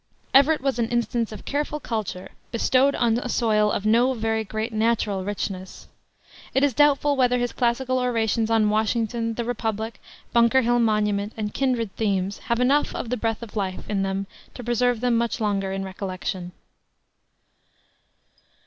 Everett was an instance of careful culture bestowed on a soil of no very great natural richness. It is doubtful whether his classical orations on Washington, the Republic, Bunker Hill Monument, and kindred themes, have enough of the breath of life in them to preserve them much longer in recollection.